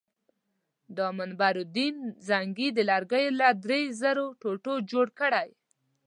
دا منبر نورالدین زنګي د لرګیو له درې زرو ټوټو جوړ کړی.